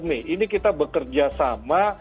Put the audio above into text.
ini kita bekerja sama